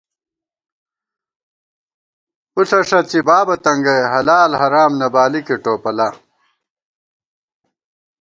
پُݪہ ݭڅی، بابہ تنگئ ، حلال حرام نہ بالِکے ٹوپلا